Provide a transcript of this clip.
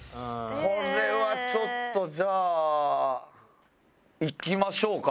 これはちょっとじゃあいきましょうか？